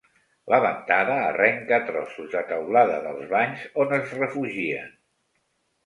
La ventada arrenca trossos de teulada dels banys on es refugien.